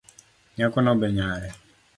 Nyakono be nyare